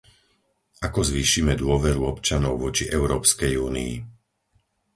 Ako zvýšime dôveru občanov voči Európskej únii?